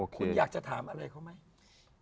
คุณอยากจะถามอะไรเขาไหม